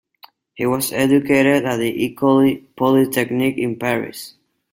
He was educated at the Ecole Polytechnique in Paris.